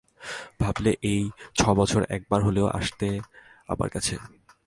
ভাবলে এই ছ বছরে একবার হলেও আসতে আমার কাছে।